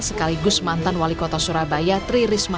sekaligus mantan wali kota surabaya tri risma